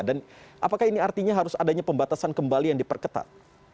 dan apakah ini artinya harus adanya pembatasan kembali yang diperketat